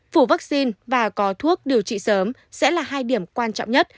phủ vaccine và có thuốc điều trị sớm sẽ là hai điểm quan trọng nhất